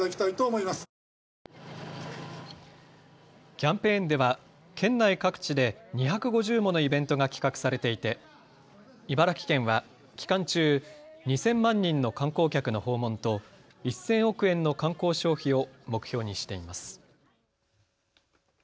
キャンペーンでは県内各地で２５０ものイベントが企画されていて茨城県は期間中、２０００万人の観光客の訪問と１０００億円の観光消費を目標にしています。